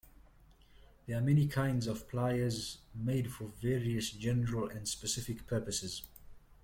There are many kinds of pliers made for various general and specific purposes.